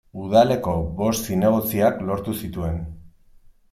Udaleko bost zinegotziak lortu zituen.